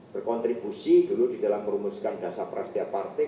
berkontribusi dulu di dalam merumuskan dasar prasetya partai